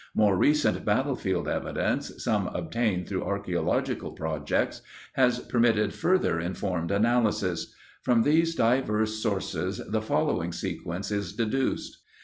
More recent battlefield evidence, some obtained through archeological projects, has permitted further informed analysis. From these diverse sources the following sequence is deduced.